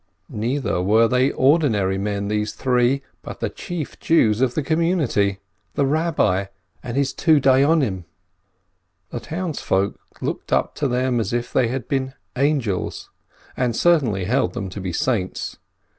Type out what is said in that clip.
Neither were they ordinary men, these three, but the chief Jews of the community: the Kabbi and his two Dayonim. The townsfolk looked up to them as if they had been angels, and certainly held them to be saints.